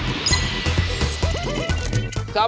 บอกให้ติดตาม